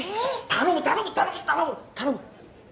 頼む頼む頼む頼む頼む！